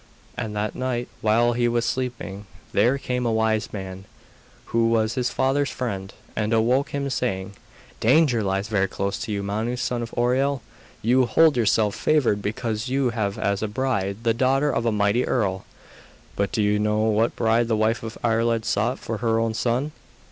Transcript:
And that night, while he was sleeping, there came a wise man, who was his father's friend, and awoke him saying: 'Danger lies very close to you, Manus, son of Oireal. You hold yourself favoured because you have as a bride the daughter of a mighty earl; but do you know what bride the wife of Iarlaid sought for her own son?